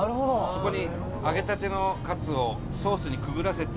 そこに揚げたてのカツをソースにくぐらせてのせてある。